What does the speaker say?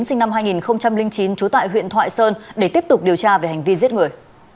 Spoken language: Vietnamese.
sinh năm hai nghìn chín trú tại huyện thoại sơn để tiếp tục điều tra về hành vi giết người